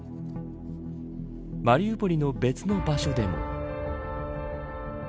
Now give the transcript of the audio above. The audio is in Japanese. マリウポリの別の場所でも。